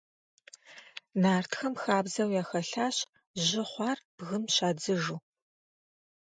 Нартхэм хабзэу яхэлъащ жьы хъуар бгым щадзыжу.